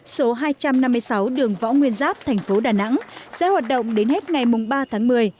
số hai trăm năm mươi sáu đường võ nguyên giáp thành phố đà nẵng sẽ hoạt động đến hết ngày ba tháng một mươi